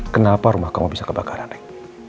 kenapa rumah kamu bisa kebakaran ya